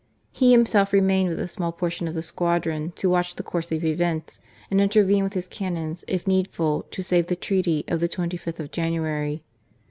He himself remained with a small portion of the squadron to watch the course of events and intervene with his cannons if needful to save the Treaty of the 25th of January.